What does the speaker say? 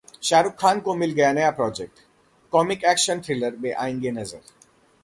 शाहरुख खान को मिल गया नया प्रोजेक्ट, कॉमिक एक्शन थ्रिलर में आएंगे नजर!